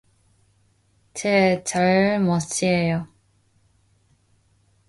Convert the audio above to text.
제 잘못이에요.